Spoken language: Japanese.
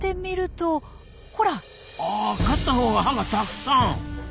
あ勝ったほうが歯がたくさん！